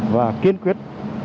và kiên quyết